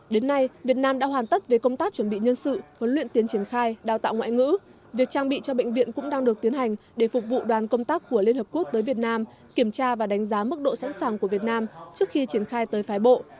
đến nay việt nam đã hoàn tất về công tác chuẩn bị nhân sự huấn luyện tiến triển khai đào tạo ngoại ngữ việc trang bị cho bệnh viện cũng đang được tiến hành để phục vụ đoàn công tác của liên hợp quốc tới việt nam kiểm tra và đánh giá mức độ sẵn sàng của việt nam trước khi triển khai tới phái bộ